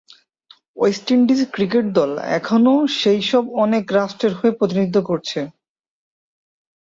West Indies cricket দল এখনও সেই সব অনেক রাষ্ট্রের হয়ে প্রতিনিধিত্ব করছে।